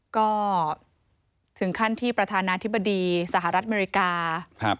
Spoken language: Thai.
ก็ถึงขั้นที่ประธานาธิบดีสหรัฐอเมริกา